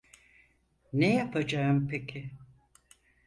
Ne yapacağım peki?